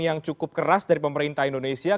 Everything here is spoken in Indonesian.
yang cukup keras dari pemerintah indonesia